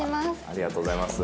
ありがとうございます。